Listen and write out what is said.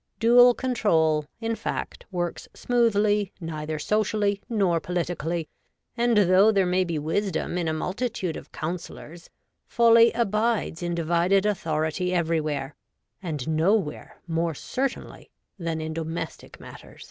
Dual control, in fact, works smoothly neither socially nor politically, and though there may be wisdom in a multitude of counsellors, folly abides in divided authority everywhere, and nowhere more certainly than in domestic matters.